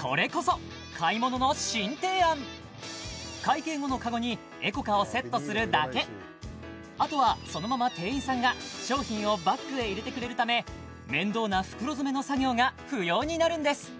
これこそ買い物の新提案するだけあとはそのまま店員さんが商品をバッグへ入れてくれるため面倒な袋詰めの作業が不要になるんです